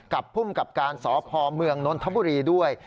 กับผู้มกับการสอบภอมเมืองนทบุรีด้วย